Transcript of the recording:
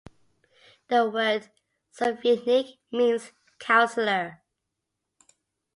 The word "sovietnik" means councillor.